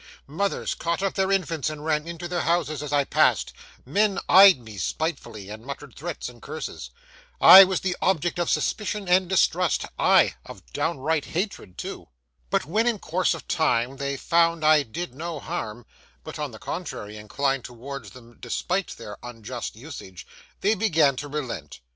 Mothers caught up their infants and ran into their houses as I passed; men eyed me spitefully, and muttered threats and curses. I was the object of suspicion and distrust—ay, of downright hatred too. But when in course of time they found I did no harm, but, on the contrary, inclined towards them despite their unjust usage, they began to relent.